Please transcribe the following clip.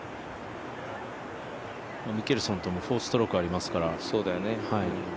ミケルソンとも４ストロークありますから。